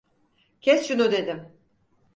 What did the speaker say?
Kes şunu dedim!